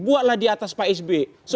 buatlah di atas pak s b